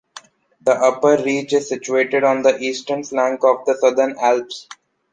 The upper reach is situated on the eastern flank of the southern Alps.